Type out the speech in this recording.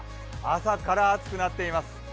朝から暑くなっています。